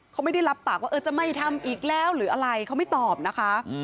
เขาไม่ได้รับปากว่าจะไม่ทำอีกแล้วหรืออะไรเขาไม่ตอบนะคะ